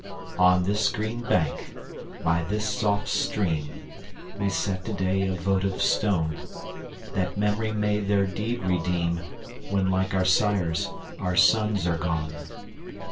On this green bank, by this soft stream, We set to day a votive stone; That memory may their deed redeem, When, like our sires, our sons are gone.